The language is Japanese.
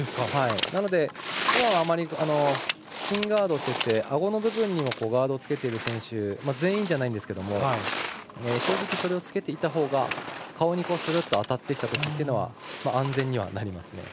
なので、シンガードといってあごの部分にガードをつけている選手全員じゃないんですけどそれをつけていたほうが顔に当たってきたときっていうのは安全にはなります。